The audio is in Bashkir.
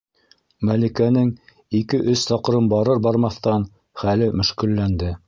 Мәликәнең ике-өс саҡрым барыр-бармаҫтан хәле мөшкөлләнде.